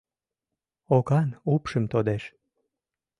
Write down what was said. Окан упшым тодеш.